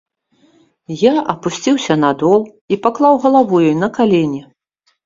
Я апусціўся на дол і паклаў галаву ёй на калені.